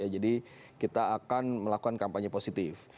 kita akan melakukan kampanye positif